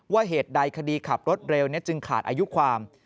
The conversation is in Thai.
เหตุใดคดีขับรถเร็วจึงขาดอายุความ